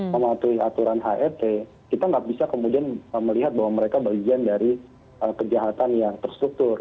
mematuhi aturan het kita nggak bisa kemudian melihat bahwa mereka bagian dari kejahatan yang terstruktur